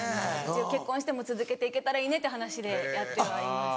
結婚しても続けて行けたらいいねっていう話でやってはいます。